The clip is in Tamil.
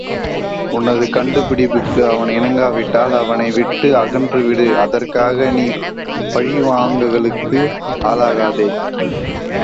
உனது கண்டிப்புக்கு அவன் இணங்காவிட்டால் அவனை விட்டு அகன்று விடு அதற்காக, நீ பழிபாவங்களுக்கு ஆளாகாதே.